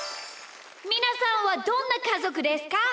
みなさんはどんなかぞくですか？